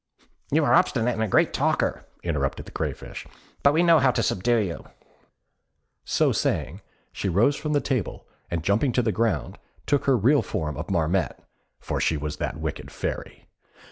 "You are obstinate and a great talker," interrupted the Crayfish; "but we know how to subdue you." So saying, she rose from the table, and jumping to the ground, took her real form of Marmotte (for she was that wicked fairy).